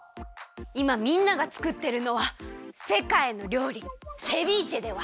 いまみんながつくってるのはせかいのりょうりセビーチェでは？